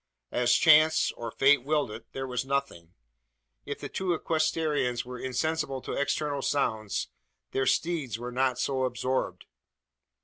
As chance, or fate, willed it, there was nothing. If the two equestrians were insensible to external sounds, their steeds were not so absorbed.